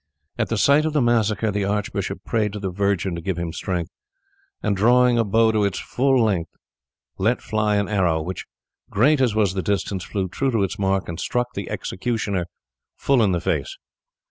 At the sight of the massacre the archbishop prayed to the Virgin to give him strength, and drawing a bow to its full strength, let fly an arrow, which, great as was the distance, flew true to its mark and struck the executioner full in the face.